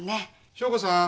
祥子さん！